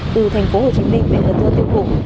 từ tp hcm về tp hcm